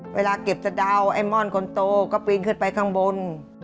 เวลาเก็บสะดาวไอ้ม่อนคนโตก็ปีนขึ้นไปข้างบน